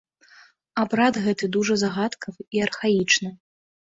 Абрад гэты дужа загадкавы і архаічны.